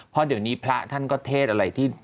เพราะเดี๋ยวนี้พระท่านก็เทศอะไรที่